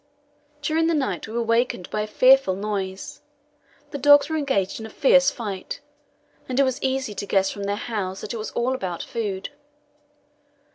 During the night we were wakened by a fearful noise. The dogs were engaged in a fierce fight, and it was easy to guess from their howls that it was all about food.